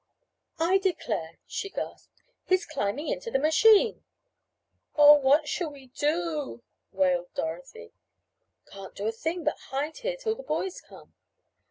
"I declare!" she gasped. "He is climbing into the machine." "Oh, what shall we do?" wailed Dorothy. "Can't do a thing but hide here until the boys come.